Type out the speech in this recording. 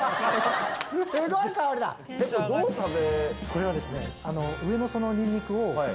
これは上のそのニンニクを。